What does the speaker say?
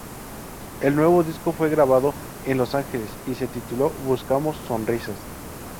El nuevo disco fue grabado en Los Ángeles y se tituló ""Buscamos sonrisas"".